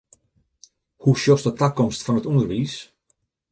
Hoe sjochst de takomst fan it ûnderwiis?